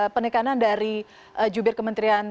penekanan dari jubir kementerian